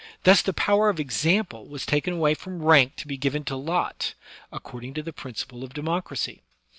Thus the power of example was taken away from rank to be given to lot, according to the principle of democracy.